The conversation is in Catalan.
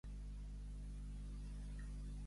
Havia confiat més en el teu amor per la Fatima.